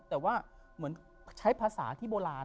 แต่ว่าเหมือนใช้ภาษาที่โบราณ